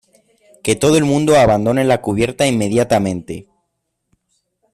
que todo el mundo abandone la cubierta inmediatamente.